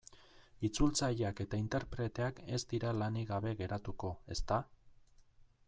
Itzultzaileak eta interpreteak ez dira lanik gabe geratuko, ezta?